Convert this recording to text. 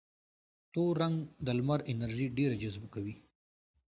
تور رنګ د لمر انرژي ډېره جذبه کوي.